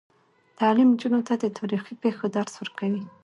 تعلیم نجونو ته د تاریخي پیښو درس ورکوي.